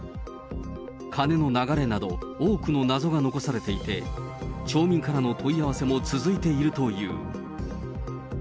金の流れなど、多くの謎が残されていて、町民からの問い合わせも続いているという。